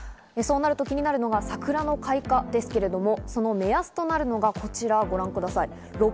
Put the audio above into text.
そうなると気になるのが桜の開花ですけれども、その目安となるのがこちらをご覧ください。